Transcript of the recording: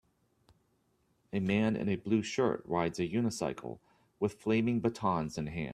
A man in a blue shirt rides a unicycle with flaming batons in hand.